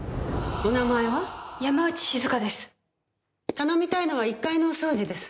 頼みたいのは１階のお掃除です。